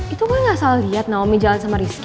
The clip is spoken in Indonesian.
itu gue gak salah liat naomi jalan sama rizky